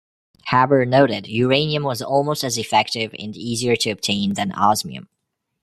Haber noted uranium was almost as effective and easier to obtain than osmium.